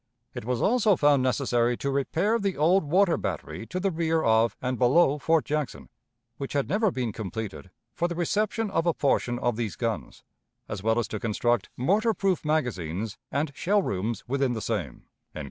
It was also found necessary to repair the old water battery to the rear of and below Fort Jackson, which had never been completed, for the reception of a portion of these guns, as well as to construct mortar proof magazines, and shell rooms within the same."